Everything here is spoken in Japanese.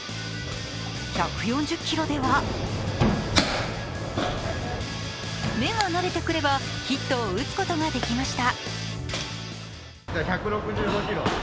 １４０キロでは目が慣れてくればヒットを打つことができました。